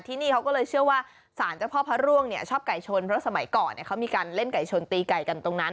ที่นี่เขาก็เลยเชื่อว่าสารเจ้าพ่อพระร่วงเนี่ยชอบไก่ชนเพราะสมัยก่อนเขามีการเล่นไก่ชนตีไก่กันตรงนั้น